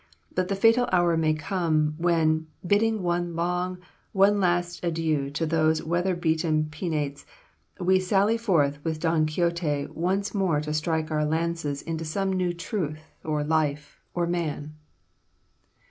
But the fatal hour may come, when, bidding one long, one last adieu to those weather beaten Penates, we sally forth with Don Quixote, once more to strike our lances into some new truth, or life, or man."